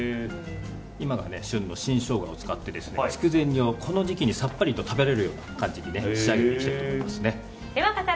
今が旬の新ショウガを使って筑前煮を、この時期にさっぱりと食べられるような感じに仕上げていきたいと思います。